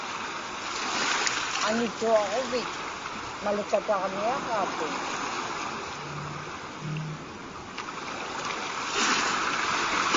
Anituaġuvit malikataġniaġaatin.